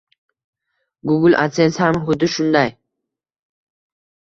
Google adsense ham huddi shunday